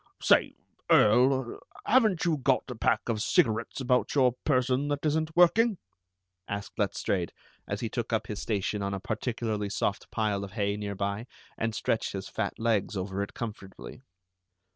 Say, Earl, haven't you got a pack of cigarettes about your person that isn't working?" asked Letstrayed, as he took up his station on a particularly soft pile of hay nearby, and stretched his fat legs over it comfortably.